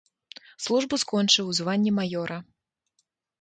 Службу скончыў у званні маёра.